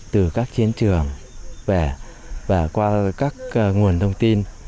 từ các chiến trường về và qua các nguồn thông tin